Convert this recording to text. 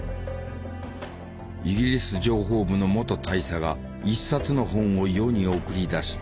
イギリス情報部の元大佐が一冊の本を世に送り出した。